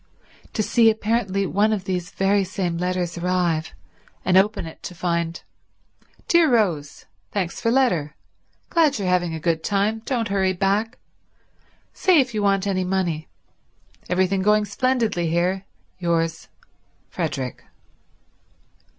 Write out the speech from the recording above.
To see apparently one of these very same letters arrive, and open it to find: Dear Rose—Thanks for letter. Glad you're having a good time. Don't hurry back. Say if you want any money. Everything going splendidly here— Yours, Frederick.